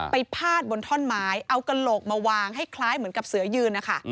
พาดบนท่อนไม้เอากระโหลกมาวางให้คล้ายเหมือนกับเสือยืนนะคะ